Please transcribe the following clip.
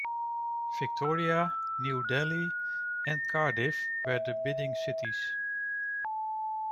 Victoria, New Delhi, and Cardiff were the bidding cities.